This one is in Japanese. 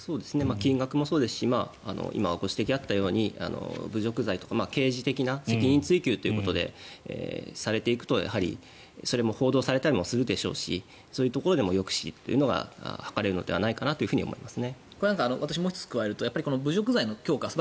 金額もそうですし今、ご指摘があったように侮辱罪とか刑事的な責任追及ということでされていくと、それも報道されたりするでしょうしそういうところでも抑止というのは図れるのではないかと思います。